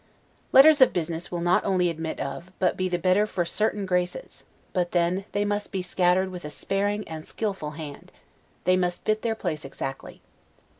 Letters of business will not only admit of, but be the better for CERTAIN GRACES but then, they must be scattered with a sparing and skillful hand; they must fit their place exactly.